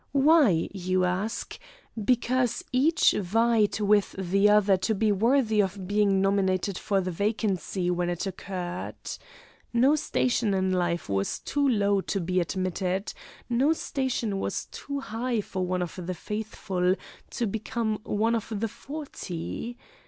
Why? you ask. Because each vied with the other to be worthy of being nominated for the vacancy when it occurred. No station in life was too low to be admitted, no station was too high for one of the faithful to become one of the 'Forty.'